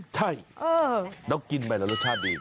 ใช่แล้วกินไปแล้วรสชาติดี